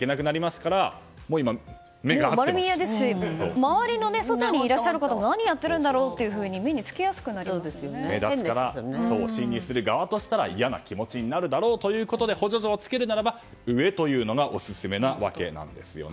周りの外にいらっしゃる方も何やってるんだろうって目立つから侵入側としては嫌な気持ちになるだろうということで補助錠をつけるなら上というのがオススメなわけなんですよね。